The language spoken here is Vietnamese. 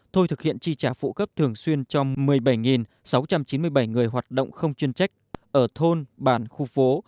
thôi thực hiện chi trả phụ cấp thường xuyên cho một mươi bảy sáu trăm chín mươi bảy người hoạt động không chuyên trách ở thôn bản khu phố